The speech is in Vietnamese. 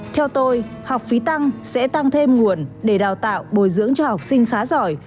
theo tôi học phí tăng sẽ tăng thêm nguồn để đào tạo bồi dưỡng cho học sinh khá giỏi